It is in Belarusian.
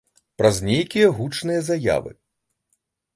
Праз нейкія гучныя заявы.